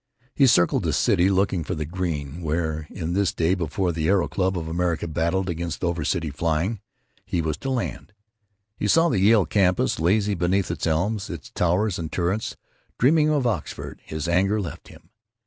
He circled the city, looking for the Green, where (in this day before the Aero Club of America battled against over city flying) he was to land. He saw the Yale campus, lazy beneath its elms, its towers and turrets dreaming of Oxford. His anger left him.